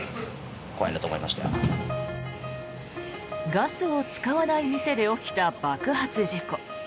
ガスを使わない店で起きた爆発事故。